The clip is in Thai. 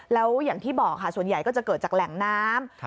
แล้วอย่างที่บอกค่ะส่วนใหญ่ก็จะเกิดจากแหล่งน้ำ